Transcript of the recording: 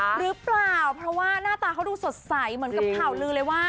หรือเปล่าเพราะว่าหน้าตาเขาดูสดใสเหมือนกับข่าวลือเลยว่า